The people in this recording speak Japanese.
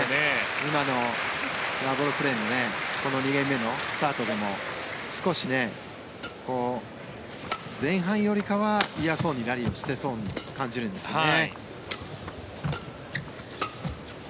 今のラブオールプレーもこの２ゲーム目のスタートでも少し前半よりかはいやそうにラリーをしてそうに感じるんですけどね。